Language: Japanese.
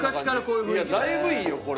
いやだいぶいいよこれ。